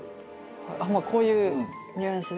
まあこういうニュアンスで。